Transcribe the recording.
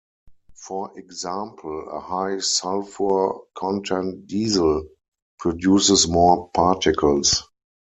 For example, a high sulfur content diesel produces more particles.